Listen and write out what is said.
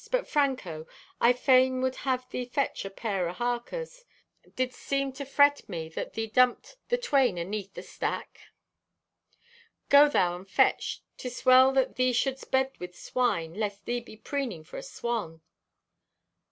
But, Franco, I fain would have thee fetch a pair o' harkers. Didst deem to fret me that thee dumped the twain aneath the stack? Go thou and fetch. 'Tis well that thee shouldst bed with swine lest thee be preening for a swan."